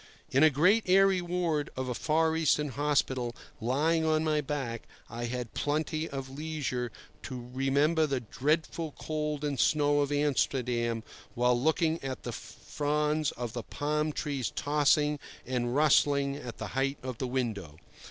In a great airy ward of a Far Eastern hospital, lying on my back, I had plenty of leisure to remember the dreadful cold and snow of Amsterdam, while looking at the fronds of the palm trees tossing and rustling at the height of the window.